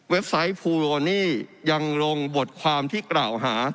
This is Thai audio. ไซต์ภูโรนี่ยังลงบทความที่กล่าวหา